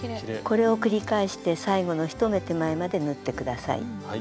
これを繰り返して最後の１目手前まで縫って下さい。